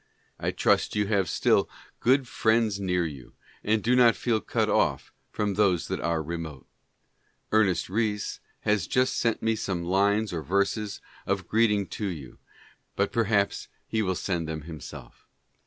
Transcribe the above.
I trust you have still good friends near you. and do not feel cut off from those that are remote. Ernest Rhys has just sent me some lines or verses of greeting to you — but perhaps he will send them himself.